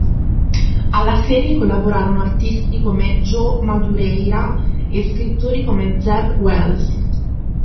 Alla serie collaborarono artisti come Joe Madureira e scrittori come Zeb Wells.